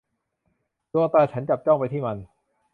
ดวงตาของฉันจับจ้องไปที่มัน